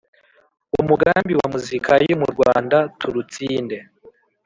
umugambiwa muzika yo mu rwanda turutsinde